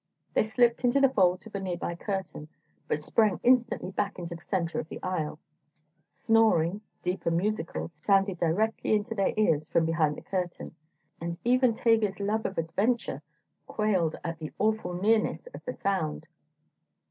They slipped into the folds of a nearby curtain, but sprang instantly back into the centre of the aisle. Snoring, deep and musical, sounded directly into their ears from behind the curtain, and even Tavia's love of adventure quailed at the awful nearness of the sound.